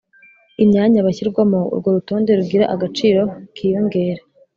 imyanya bashyirwamo urwo rutonde rugira agaciro kiyongere